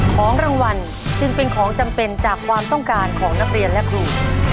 ของรางวัลจึงเป็นของจำเป็นจากความต้องการของนักเรียนและครู